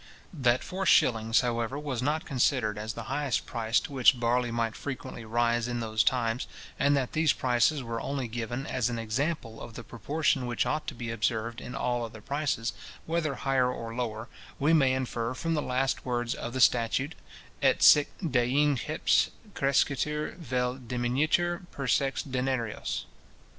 That four shillings, however, was not considered as the highest price to which barley might frequently rise in those times, and that these prices were only given as an example of the proportion which ought to be observed in all other prices, whether higher or lower, we may infer from the last words of the statute: "Et sic deinceps crescetur vel diminuetur per sex denarios."